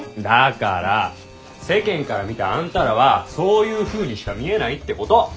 だから世間から見たあんたらはそういうふうにしか見えないってこと。